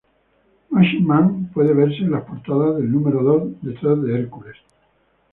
Machine Man puede verse en la portada del número dos detrás de Hercules.